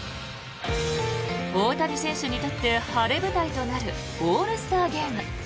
大谷選手にとって晴れ舞台となるオールスターゲーム。